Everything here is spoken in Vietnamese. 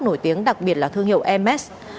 nổi tiếng đặc biệt là thương hiệu ms